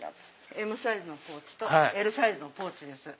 ＭサイズのポーチとＬサイズのポーチです。